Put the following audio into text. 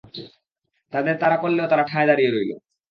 তাদের তাড়া করলেও তারা ঠায় দাঁড়িয়ে রইল।